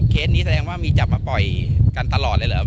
นี้แสดงว่ามีจับมาปล่อยกันตลอดเลยเหรอ